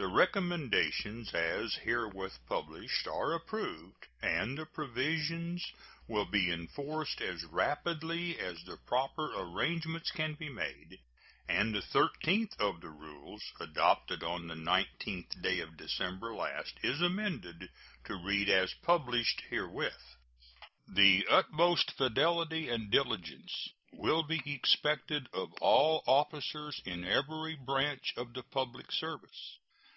The recommendations as herewith published are approved, and the provisions will be enforced as rapidly as the proper arrangements can be made; and the thirteenth of the rules adopted on the 19th day of December last is amended to read as published herewith. The utmost fidelity and diligence will be expected of all officers in every branch of the public service.